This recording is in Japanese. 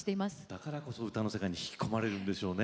だからこそ歌の世界に引き込まれるんでしょうね。